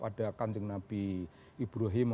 ada kanjeng nabi ibrahim